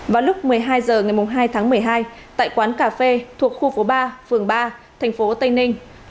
vào lúc một mươi hai h ngày hai tháng một mươi hai tại quán cà phê thuộc khu phố ba phường ba thành phố tây ninh